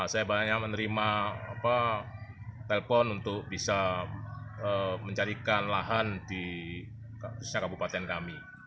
saya banyak menerima telpon untuk bisa mencarikan lahan di kabupaten kami